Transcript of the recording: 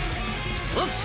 よし！